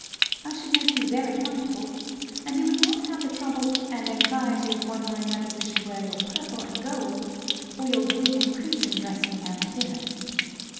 I should make you very comfortable; and you would not have the trouble and anxiety of wondering whether you should wear your purple and gold or your green and crimson dressing gown at dinner.